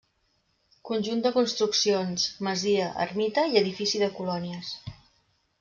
Conjunt de construccions: masia, ermita i edifici de colònies.